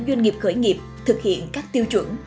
doanh nghiệp khởi nghiệp thực hiện các tiêu chuẩn